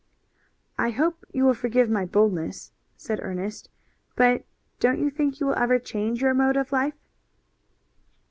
"I hope you will forgive my boldness," said Ernest, "but don't you think you will ever change your mode of life?"